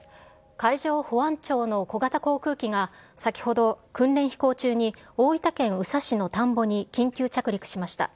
海上保安庁の小型航空機が、先ほど、訓練飛行中に大分県宇佐市の田んぼに緊急着陸しました。